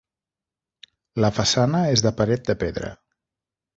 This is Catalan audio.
La façana és de paret de pedra.